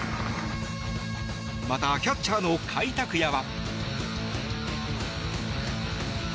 また、キャッチャーの甲斐拓也は。